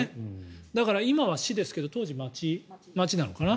だから、今は市ですけど当時は町なのかな。